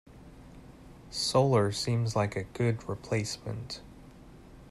Solar seems like a good replacement.